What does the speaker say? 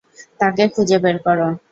তাকে খুঁজে বের কর।